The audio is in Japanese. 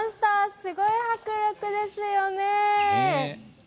すごい迫力ですよね！